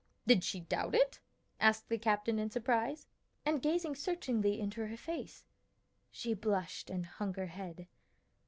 "Did she doubt it?" asked the captain in surprise, and gazing searchingly into her face. She blushed and hung her head.